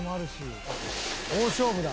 大勝負だ。